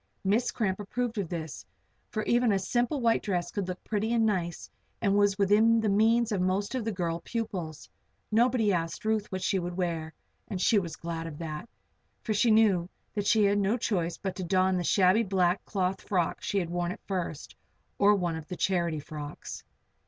Miss Cramp approved of this, for even a simple white dress would look pretty and nice and was within the means of most of the girl pupils. Nobody asked Ruth what she would wear; and she was glad of that, for she knew that she had no choice but to don the shabby black cloth frock she had worn at first, or one of the "charity" frocks.